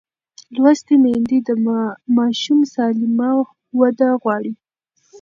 لوستې میندې د ماشوم سالمه وده غواړي.